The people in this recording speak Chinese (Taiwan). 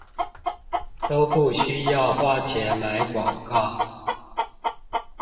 都不需要花錢買廣告